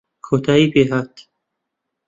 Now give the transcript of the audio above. کۆتایی پێهات